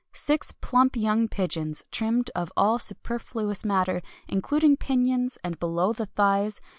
Six plump young pigeons, trimmed of all superfluous matter, including pinions and below the thighs.